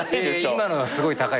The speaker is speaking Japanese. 今のはすごい高いです。